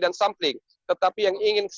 dan sampling tetapi yang ingin